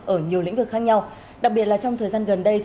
ở nhiều lĩnh vực khác nhau đặc biệt là trong thời gian gần đây